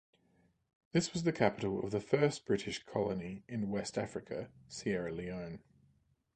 This was the capital of the first British colony in West Africa, Sierra Leone.